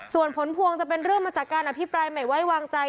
ส่วนผลพวงจะเป็นเรื่องมาจากการอภิปรายไม่ไว้วางใจ